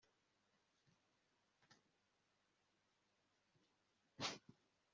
Kugabanuka no gusubira inyuma mu myitozo si byiza